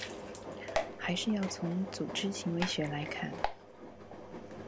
還是要從「組織行為學」來看